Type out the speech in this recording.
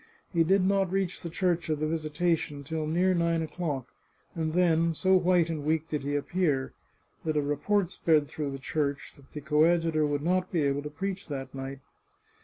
He did not reach the Church of the Visitation till near nine o'clock, and then, so white and weak did he appear, that a report spread through the church that the co adjutor would not be able to preach that night.